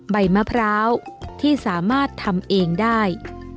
ใบมะพร้าวที่สามารถทำเองได้